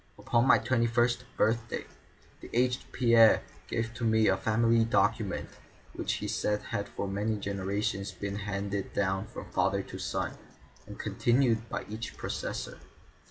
Upon my twenty first birthday, the aged Pierre gave to me a family document which he said had for many generations been handed down from father to son, and continued by each possessor.